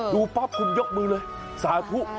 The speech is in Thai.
ดูป๊อปคุณยกมือเลยสาธุ๙๙